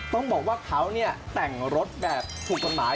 ต้องบอกว่าเขาเนี่ยแต่งรถแบบถูกน้อย